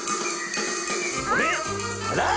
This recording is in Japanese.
あれ⁉